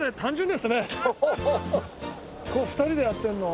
２人でやってるの？